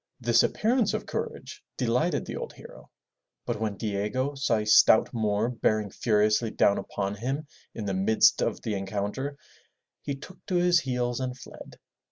This appearance of courage delighted the old hero, but when Diego saw a stout Moor bearing furiously down upon him in the midst of the encounter, he took to his heels and fled.